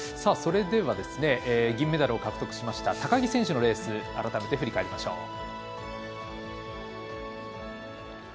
それでは銀メダルを獲得した高木選手のレースを改めて振り返りましょう。